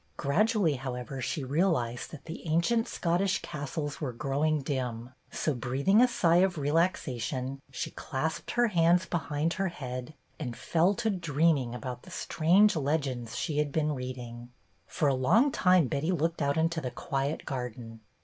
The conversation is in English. Gradually, however, she realized that the ancient Scottish castles were growing dim, so, breathing a sigh of re laxation, she clasped her hands behind her head and fell to dreaming about the strange legends she had been reading. For a long time Betty looked out into the quiet garden.